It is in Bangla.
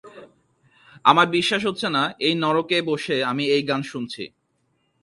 আমার বিশ্বাস হচ্ছে না, এই নরকে বসে আমি এই গান শুনছি।